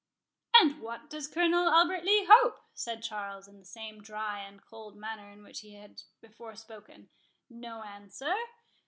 "And what does Colonel Albert Lee hope?" said Charles, in the same dry and cold manner in which he had before spoken.—"No answer?